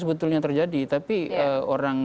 sebetulnya terjadi tapi orang